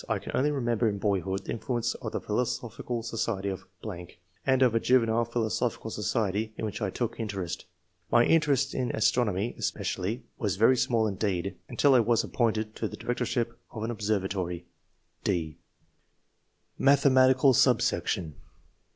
I can only remember in boyhood the influence of the Philosophical Society of .... and of a juvenile philosophical society in which I took interest. My interest in astronomy, es pecially, was very small indeed, until I was appointed [to the directorship of an obser vatory]." (d) Mathematical Subsection.